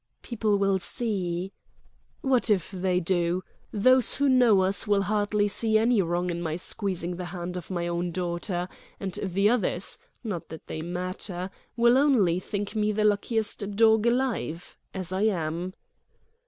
"People will see ..." "What if they do? Those who know us will hardly see any wrong in my squeezing the hand of my own daughter; and the others—not that they matter—will only think me the luckiest dog alive—as I am!"